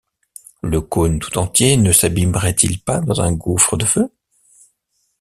Le cône tout entier ne s’abîmerait-il pas dans un gouffre de feu?